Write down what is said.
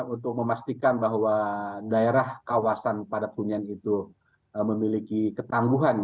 untuk memastikan bahwa daerah kawasan padat hunian itu memiliki ketangguhan